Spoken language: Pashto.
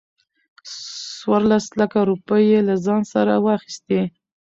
څورلس لکه روپۍ يې له ځان سره واخستې.